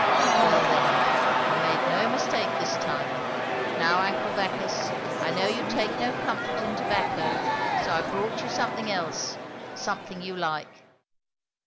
"Well, then I made no mistake this time. Now, uncle Bacchus, I know you take no comfort in tobacco; so I've brought you something else something you like.